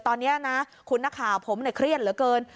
ตอนเนี้ยนะคุณหน้าข่าวผมเนี่ยเครียดเหลือเกิน